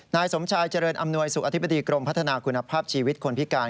นายสมชายเจริญอำนวยสุขอธิบดีกรมพัฒนาคุณภาพชีวิตคนพิการ